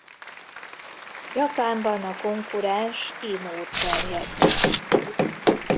Japánban a konkurens i-mode terjedt el.